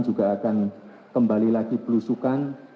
juga akan kembali lagi berusukan